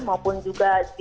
maupun juga di